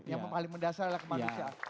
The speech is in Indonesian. yang paling mendasar adalah kemanusiaan